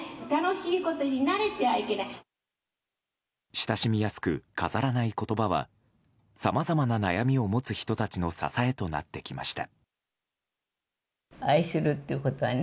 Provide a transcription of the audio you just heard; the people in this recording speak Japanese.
親しみやすく、飾らない言葉はさまざまな悩みを持つ人たちの支えとなってきました。